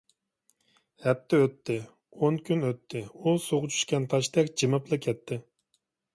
ھەپتە ئۆتتى، ئون كۈن ئۆتتى…ئۇ سۇغا چۈشكەن تاشتەك جىمىپلا كەتتى.